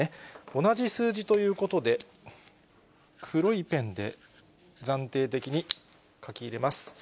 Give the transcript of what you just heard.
同じ数字ということで、黒いペンで暫定的に書き入れます。